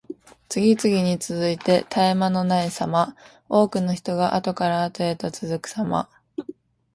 次々に続いて絶え間のないさま。多くの人があとからあとへと続くさま。